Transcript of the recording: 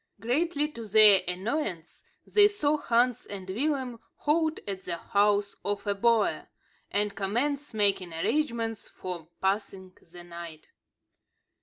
Greatly to their annoyance, they saw Hans and Willem halt at the house of a boer, and commence making arrangements for passing the night.